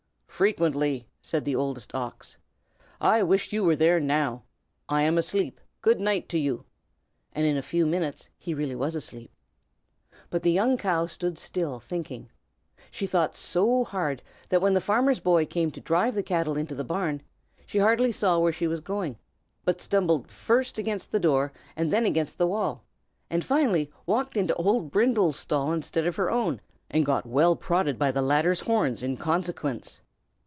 "Frequently!" said the Oldest Ox. "I wish you were there, now. I am asleep. Good night to you!" and in a few minutes he really was asleep. But the young cow stood still, thinking. She thought so hard that when the farmer's boy came to drive the cattle into the barn, she hardly saw where she was going, but stumbled first against the door and then against the wall, and finally walked into Old Brindle's stall instead of her own, and got well prodded by the latter's horns in consequence.